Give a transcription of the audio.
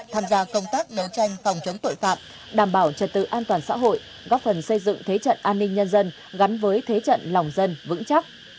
tham gia công tác đấu tranh phòng chống tội phạm đảm bảo trật tự an toàn xã hội góp phần xây dựng thế trận an ninh nhân dân gắn với thế trận lòng dân vững chắc